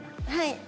はい。